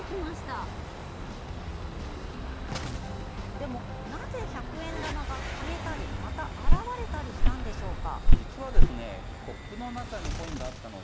でもなぜ百円玉が消えたりまた現れたりしたのでしょうか？